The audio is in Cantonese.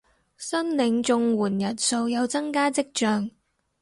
申領綜援人數有增加跡象